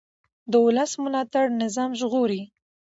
د ولس ملاتړ نظام ژغوري